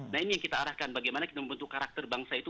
nah ini yang kita arahkan bagaimana kita membentuk karakter bangsa itu